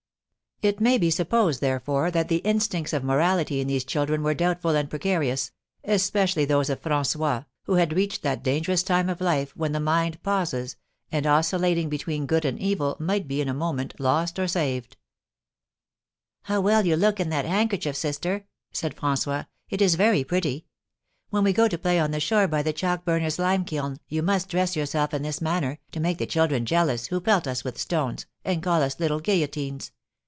It may be supposed, therefore, that the instincts of morality in these children were doubtful and precarious, especially those of François, who had reached that dangerous time of life when the mind pauses, and, oscillating between good and evil, might be in a moment lost or saved. "How well you look in that handkerchief, sister!" said François; "it is very pretty. When we go to play on the shore by the chalk burner's lime kiln you must dress yourself in this manner, to make the children jealous who pelt us with stones and call us little guillotines.